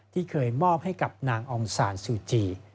ที่เคยมอบให้กับนางองศาลซูจี